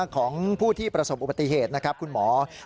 ของผู้ที่ประสบอุบัติเหตุนะครับคุณหมอ